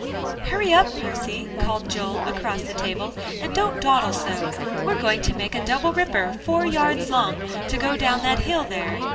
"Hurry up, Percy," called Joel across the table, "and don't dawdle so. We're going to make a double ripper, four yards long, to go down that hill there."